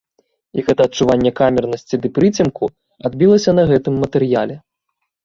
І гэта адчуванне камернасці ды прыцемку адбілася на гэтым матэрыяле.